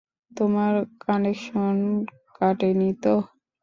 তোমার কানেকশন কাটেনি তো?